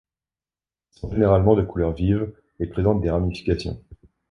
Ils sont généralement de couleur vive et présentent des ramifications.